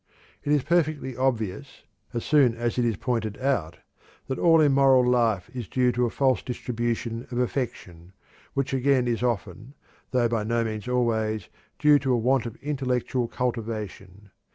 It is perfectly obvious, as soon as it is pointed out, that all immoral life is due to a false distribution of affection, which again is often, though by no means always, due to a want of intellectual cultivation.